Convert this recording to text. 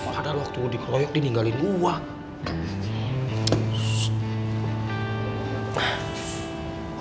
padahal waktu lo dikeroyok di ninggalin uang